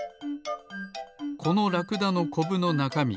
このラクダのコブのなかみ